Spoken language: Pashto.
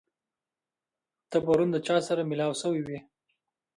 ته پرون د چا سره مېلاو شوی وې؟